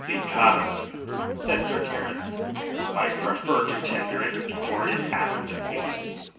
"Because," said Sir Terence, "I prefer to tender it before it is asked of me."